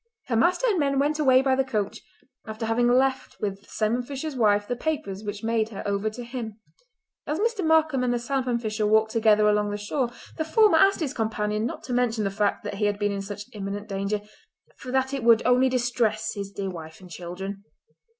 Her master and men went away by the coach, after having left with the salmon fisher's wife the papers which made her over to him. As Mr. Markam and the salmon fisher walked together along the shore the former asked his companion not to mention the fact that he had been in such imminent danger, for that it would only distress his dear wife and children.